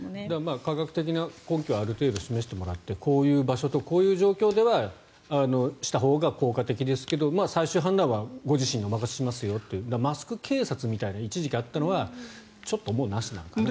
科学的な根拠はある程度示してもらってこういう場所とこういう状況ではしたほうが効果的ですけど最終判断は個人にお任せしますよというマスク警察みたいな一時期あったのはちょっともうなしなのかなと。